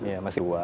ya masih dua